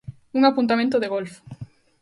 Un apuntamento de golf.